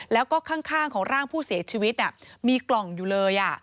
แล้วก็ข้างของร่างผู้เสียชีวิตมีกล่องอยู่เลย